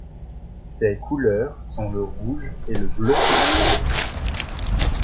Ses couleurs sont le rouge et le bleu foncé.